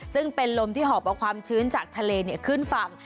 ซึ่งเป็นลมที่หอบเอาความชื้นจากทะเลขึ้นฝั่ง